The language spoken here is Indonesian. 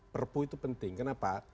perpu itu penting kenapa